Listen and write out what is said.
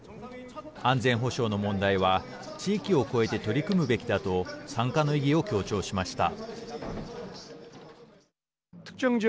安全保障の問題は地域を越えて取り組むべきだと参加の意義を強調しました。